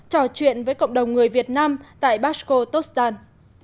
trò chuyện với cộng đồng người việt nam tại bashkortostan